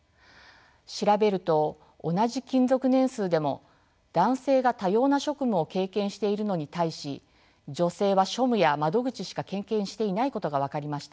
調べると同じ勤続年数でも男性が多様な職務を経験しているのに対し女性は庶務や窓口しか経験していないことが分かりました。